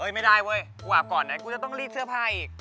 ไม่ได้เว้ยกูอาบก่อนนะกูจะต้องรีดเสื้อผ้าอีก